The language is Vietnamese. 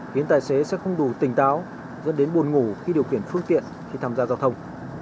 khiến tài xế sẽ không đủ tỉnh táo dẫn đến buồn ngủ khi điều khiển phương tiện khi tham gia giao thông